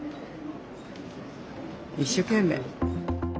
一生懸命。